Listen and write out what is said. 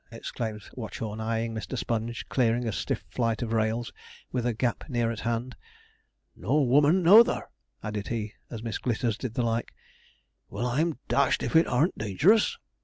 exclaimed Watchorn, eyeing Mr. Sponge clearing a stiff flight of rails, with a gap near at hand. 'Nor woman nouther!' added he, as Miss Glitters did the like. 'Well, I'm dashed if it arn't dangerous!'